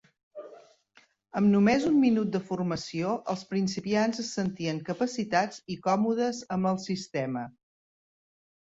Amb només un minut de formació, els principiants es sentien capacitats i còmodes amb el sistema.